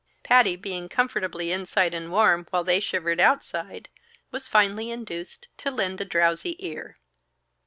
Patty, being comfortably inside and warm, while they shivered outside, was finally induced to lend a drowsy ear.